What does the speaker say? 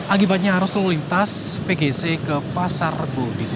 akibatnya arus lalu lintas vgc ke pasar rebu di kutub